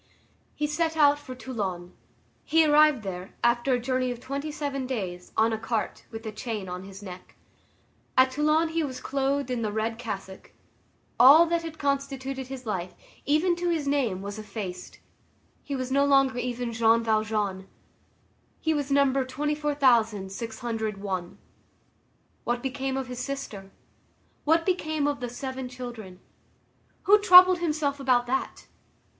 He set out for Toulon. He arrived there, after a journey of twenty seven days, on a cart, with a chain on his neck. At Toulon he was clothed in the red cassock. All that had constituted his life, even to his name, was effaced; he was no longer even Jean Valjean; he was number 24,601. What became of his sister? What became of the seven children? Who troubled himself about that?